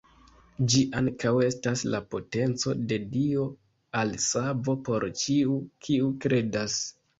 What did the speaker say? Ĝi ankaŭ estas la potenco de Dio al savo por ĉiu, kiu kredas.